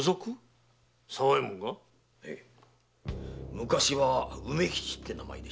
昔は“梅吉”って名前でしてね。